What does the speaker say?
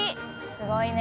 すごいね。